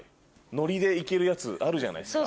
ノリで行けるやつあるじゃないですか。